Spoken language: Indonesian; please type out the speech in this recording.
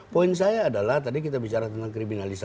poin saya adalah tadi kita bicara tentang kriminalisasi